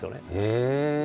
へえ！